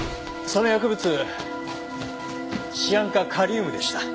その薬物シアン化カリウムでした。